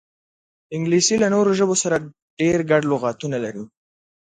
انګلیسي له نورو ژبو سره ډېر ګډ لغاتونه لري